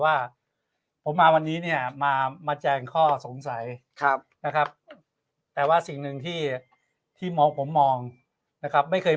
ว่าผมมาวันนี้เนี่ยมาแจงข้อสงสัยครับนะครับแต่ว่าสิ่งหนึ่งที่ที่มองผมมองนะครับไม่เคย